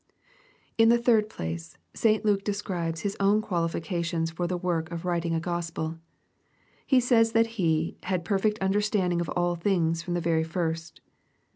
In the third place, St. Luke describes Ma ownquaUfica" tionafor the work of writing a Gospel. He says that he " had perfect understanding of all things from the very first."